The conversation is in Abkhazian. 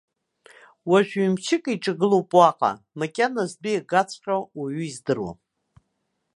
Уажә ҩ-мчык еиҿагылоуп уаҟа, макьана зтәы иагаҵәҟьо уаҩы издыруам.